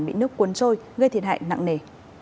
bị nước cuốn trôi gây thiệt hại nặng nề